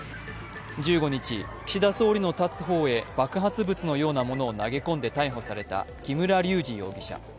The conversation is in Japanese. １５日、岸田総理の立つ方へ爆発物のようなものを投げ込んで逮捕された木村隆二容疑者。